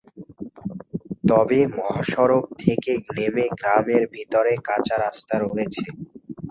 তবে মহাসড়ক থেকে নেমে গ্রামের ভিতরে কাঁচা রাস্তা রয়েছে।